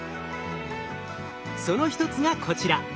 その一つがこちら。